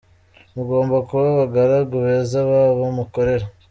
Mugomba kuba abagaragu beza babo mukorera